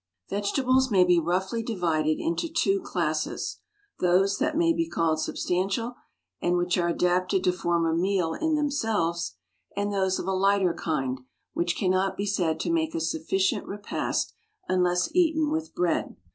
Vegetables may be roughly divided into two classes those that may be called substantial and which are adapted to form a meal in themselves, and those of a lighter kind, which cannot be said to make a sufficient repast unless eaten with bread.